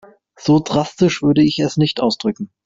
So drastisch würde ich es nicht ausdrücken.